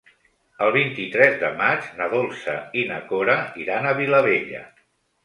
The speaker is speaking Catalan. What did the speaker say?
El vint-i-tres de maig na Dolça i na Cora iran a Vilabella.